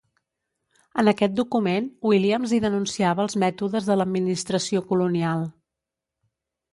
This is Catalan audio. En aquest document, Williams hi denunciava els mètodes de l'administració colonial.